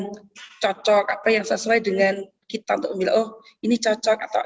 indikator tertentu apa yang cocok apa yang sesuai dengan kita untuk milo ini cocok atau